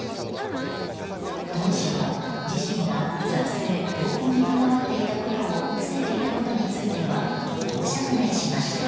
当初は、自身が撮影・投稿に関わっていたことを伏せていたことについてはこう釈明しました。